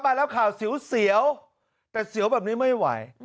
มาแล้วข่าวเสียวแต่เสียวแบบนี้ไม่ไหว